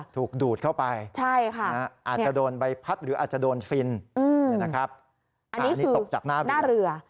ถูกดูดเข้าไปอาจจะโดนใบพัดหรืออาจจะโดนฟินอันนี้ตกจากหน้าเรือ